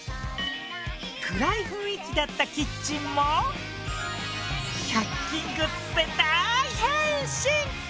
暗い雰囲気だったキッチンも１００均グッズで大変身！